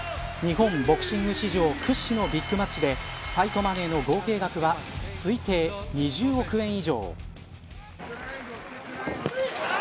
日本ボクシング史上屈指のビッグマッチでファイトマネーの合計額は推定２０億円以上。